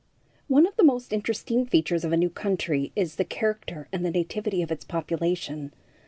One of the most interesting features of a new country is the character and the nativity of its population.